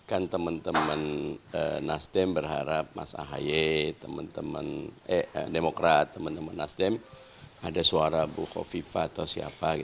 kan teman teman nasdem berharap mas ahy teman teman demokrat teman teman nasdem ada suara buko viva atau siapa